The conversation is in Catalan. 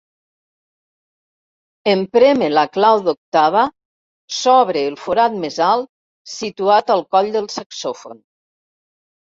En prémer la clau d'octava s'obre el forat més alt situat al coll del saxofon.